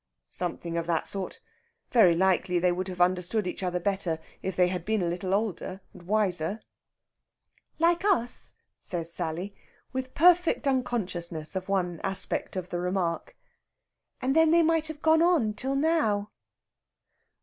"Something of that sort. Very likely they would have understood each other better if they had been a little older and wiser...." "Like us?" says Sally, with perfect unconsciousness of one aspect of the remark. "And then they might have gone on till now."